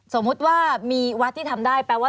สนุนโดยหวานได้ทุกที่ที่มีพาเลส